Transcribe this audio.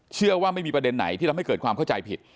เชื่อว่าไม่มีประเด็นไหนที่ทำให้เกิดความเข้าใจผิด